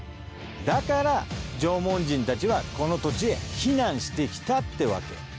だから縄文人たちはこの土地へ避難してきたってわけ。